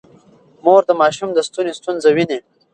مور د ماشوم د ستوني ستونزه ويني.